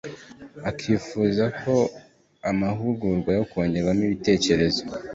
akifuza ko amahugurwa ya kongerwamo imbaraga